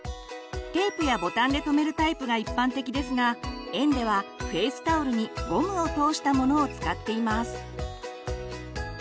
テープやボタンで留めるタイプが一般的ですが園ではフェイスタオルにゴムを通したものを使っています。